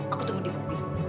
aku tunggu di mobil